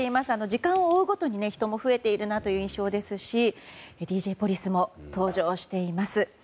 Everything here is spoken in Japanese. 時間を追うごとに人が増えている印象ですしＤＪポリスも登場しています。